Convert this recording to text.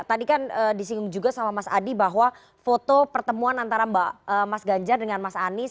tadi kan disinggung juga sama mas adi bahwa foto pertemuan antara mas ganjar dengan mas anies